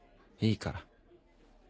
いいから。